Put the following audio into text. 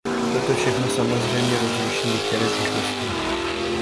Toto všechno samozřejmě rozruší některé zvyklosti.